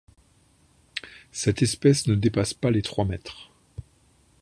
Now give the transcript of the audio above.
Cette espèce ne dépasse pas les trois mètres.